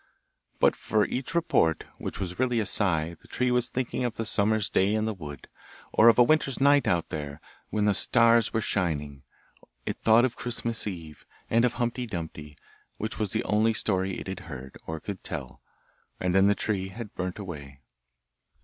But for each report, which was really a sigh, the tree was thinking of a summer's day in the wood, or of a winter's night out there, when the stars were shining; it thought of Christmas Eve, and of Humpty Dumpty, which was the only story it had heard, or could tell, and then the tree had burnt away.